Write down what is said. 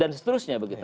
dan seterusnya begitu